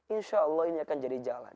insya allah ini akan jadi jalan